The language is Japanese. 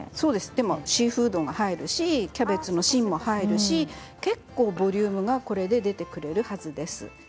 でもシーフードもキャベツの芯も入るので結構ボリュームが出てくるはずです。